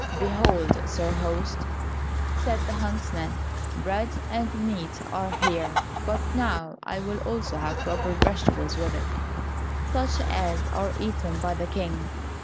"Behold, sir host," said the huntsman, "bread and meat are here but now I will also have proper vegetables with it, such as are eaten by the King."